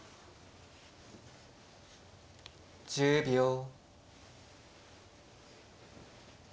１０秒。